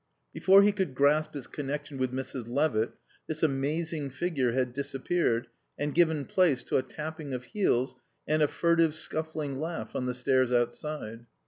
Before he could grasp its connexion with Mrs. Levitt this amazing figure had disappeared and given place to a tapping of heels and a furtive, scuffling laugh on the stairs outside.